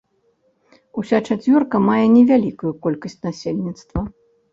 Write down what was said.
Уся чацвёрка мае невялікую колькасць насельніцтва.